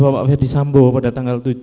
bapak ferdisambo pada tanggal tujuh